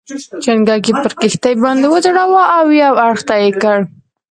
چنګک یې پر کښتۍ باندې وځړاوه او یو اړخ ته یې کړ.